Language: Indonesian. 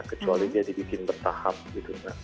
kecuali dia dibikin bertahap gitu mbak